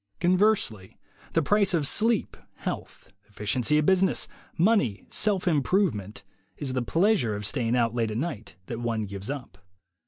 Conversely, the price of sleep, health, efficiency at business, money, self improvement, is the pleasure of staying out late at night that one gives up.